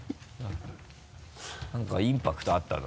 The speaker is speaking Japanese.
何かインパクトあったな。